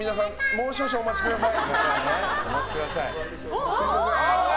もう少々お待ちください。